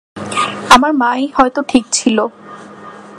আমার মা ই হয়তো ঠিক ছিল!